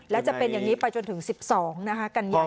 และจะเป็นอย่างนี้ไปจนถึง๑๒นะคะกันยา